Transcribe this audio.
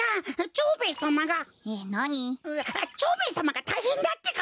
蝶兵衛さまがたいへんだってか。